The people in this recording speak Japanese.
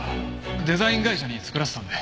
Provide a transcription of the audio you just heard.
デザイン会社に作らせたんで。